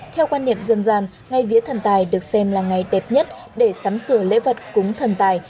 theo quan niệm dân gian ngay vía thần tài được xem là ngày đẹp nhất để sắm sửa lễ vật cúng thần tài